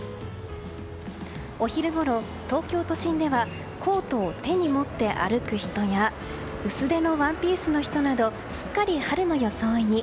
お昼ごろ、東京都心ではコートを手に持って歩く人や薄手のワンピースの人などすっかり春の装いに。